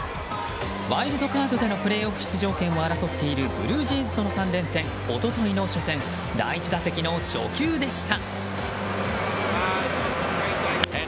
ワイルドカードでのプレーオフ出場権をかけているブルージェイズとの３連戦一昨日の初戦第１打席の初球でした。